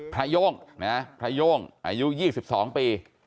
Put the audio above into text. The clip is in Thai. พระโย่งพระโย่งอายุ๒๒ปี